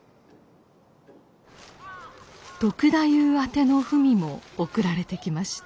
篤太夫宛ての文も送られてきました。